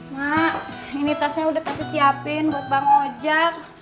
mak ini tasnya udah tadi siapin buat bang ojak